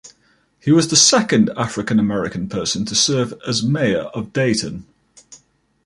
He was the second African-American person to serve as mayor of Dayton.